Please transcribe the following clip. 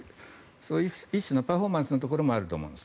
そういう一種のパフォーマンスのところもあると思います。